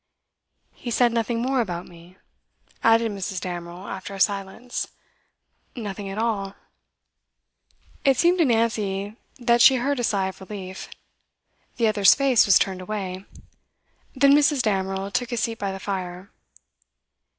'He said nothing more about me?' added Mrs. Damerel, after a silence. 'Nothing at all.' It seemed to Nancy that she heard a sigh of relief. The other's face was turned away. Then Mrs. Damerel took a seat by the fire.